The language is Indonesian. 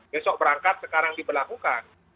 besok berangkat sekarang diberlakukan